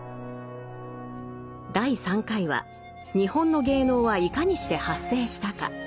第３回は日本の芸能はいかにして発生したか？